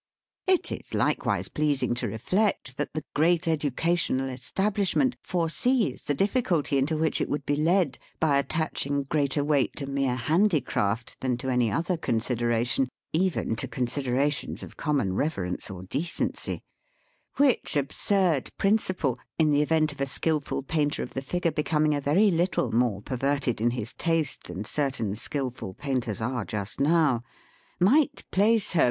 It is likewise pleasing to reflect that the great educational establish ment foresees the difficulty into which it would be led, by attaching greater weight to mere handicraft, than to any other consi deration— even to considerations of common reverence or decency ; which absurd principle, in the event of a skilful painter of the figure becoming a very little more perverted in his laste, thaii certain skilful painters are just, now. might place .Her